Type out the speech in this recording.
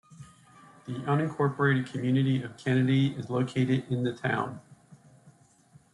The unincorporated community of Kennedy is located in the town.